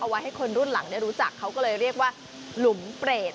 ไว้ให้คนรุ่นหลังได้รู้จักเขาก็เลยเรียกว่าหลุมเปรต